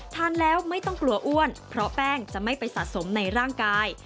ทานแล้วไม่ต้องกลัวอ้วนเพราะแป้งจะไม่ไปสะสมในร่างกาย